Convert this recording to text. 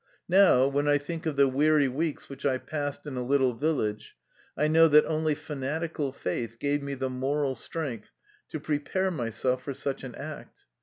Now, when I think of the weary weeks which I passed in a little village, I know that only fanatical faith gave me the moral strength to prepare myself for such an act.